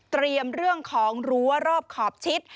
เรื่องของรั้วรอบขอบชิด